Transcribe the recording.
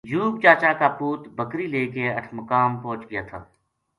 یوب چا چا کا پُوت بکری لے کے اٹھمقام پوہچ گیا تھا